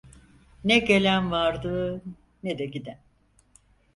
Ne gelen vardı, ne de giden…